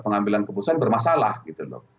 pengambilan keputusan bermasalah gitu loh